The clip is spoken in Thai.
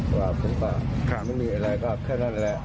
กลับไปตรงนั้นไม่มีอะไรก็แค่นั้นแหละ